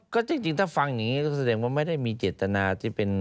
ก็จริงถ้าฟังอย่างนี้ก็แสดงว่าไม่ได้มีเจตนาที่เป็น